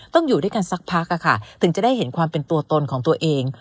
อยู่ด้วยกันสักพักค่ะถึงจะได้เห็นความเป็นตัวตนของตัวเอง